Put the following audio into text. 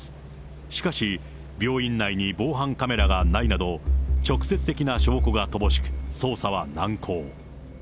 しかし、病院内に防犯カメラがないなど、直接的な証拠が乏しく、捜査は難航。